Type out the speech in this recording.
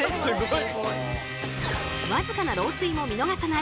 僅かな漏水も見逃さない